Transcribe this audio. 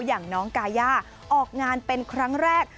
อย่างน้องกาย่าออกงานเป็นครั้งแรก